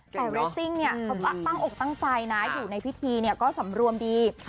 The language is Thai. แต่เรสซิ่งเนี่ยตั้งอกตั้งใจนะอยู่ในพิธีก็สำรวมดี